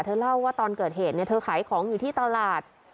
เล่าว่าตอนเกิดเหตุเนี่ยเธอขายของอยู่ที่ตลาด